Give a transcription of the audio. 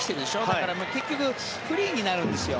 だから結局フリーになるんですよ。